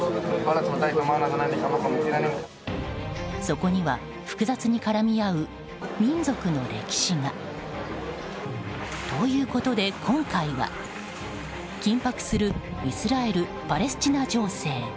そこには、複雑に絡み合う民族の歴史が。ということで、今回は緊迫するイスラエルパレスチナ情勢。